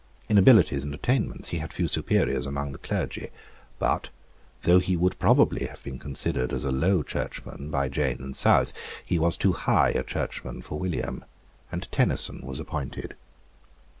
In abilities and attainments he had few superiors among the clergy. But, though he would probably have been considered as a Low Churchman by Jane and South, he was too high a Churchman for William; and Tenison was appointed.